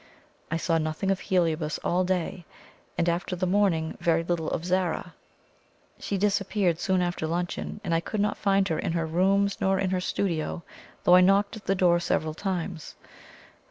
I saw nothing of Heliobas all day, and, after the morning, very little of Zara. She disappeared soon after luncheon, and I could not find her in her rooms nor in her studio, though I knocked at the door several times.